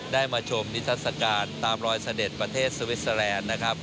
ได้มาชมนิศักดิ์สการตามรอยเสด็จประเทศสวิสเตอร์แลนด์